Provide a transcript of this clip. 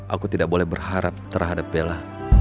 aku tidak boleh berharap terhadap bella